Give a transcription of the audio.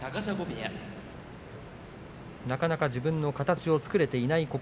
なかなか自分の形を作れていない